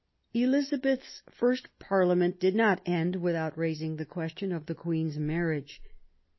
Elizabeth's first Parliament did not end without raising the question of the Queen's marriage.